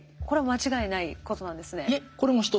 これは間違いないことなんですね？